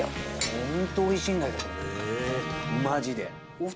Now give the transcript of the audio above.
ほんとおいしいんだけどマジで。